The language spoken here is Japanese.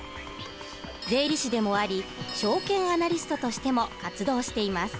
税理士でもあり証券アナリストとしても活動しています。